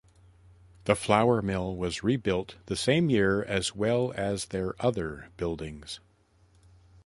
The flour mill was rebuilt the same year as well as their other buildings.